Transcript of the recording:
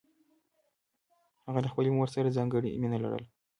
هغه له خپلې مور سره ځانګړې مینه لرله